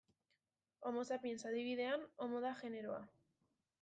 Homo sapiens adibidean Homo da generoa.